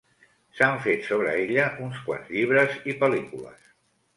S'han fet sobre ella uns quants llibres i pel·lícules.